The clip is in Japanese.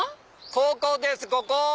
ここですここ！